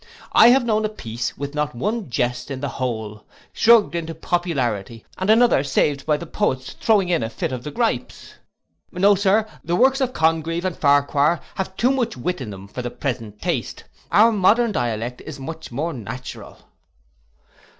I have known a piece, with not one jest in the whole, shrugged into popularity, and another saved by the poet's throwing in a fit of the gripes. No, Sir, the works of Congreve and Farquhar have too much wit in them for the present taste; our modern dialect is much more natural.